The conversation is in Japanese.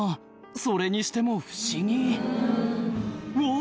それにしても不思議うわ！